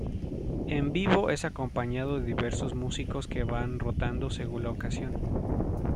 En vivo es acompañado de diversos músicos que van rotando según la ocasión.